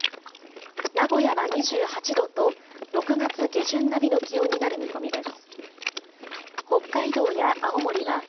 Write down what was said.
名古屋は２８度と６月下旬並みの気温になる見込みです。